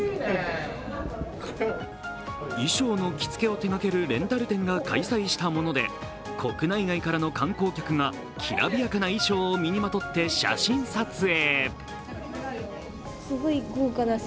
衣装の着付けを手がけるレンタル店が開催したもので国内外からの観光客がきらびやかな衣装を身にまとって写真撮影。